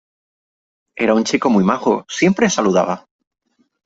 Era un chico muy majo, siempre saludaba.